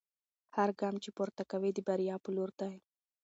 هر ګام چې پورته کوئ د بریا په لور دی.